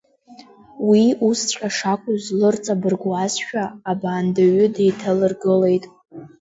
Уи усҵәҟьа шакәыз лырҵабыргуазшәа, абаандаҩы деиҭалыргылеит.